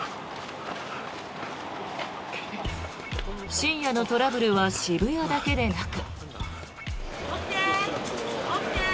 深夜のトラブルは渋谷だけでなく。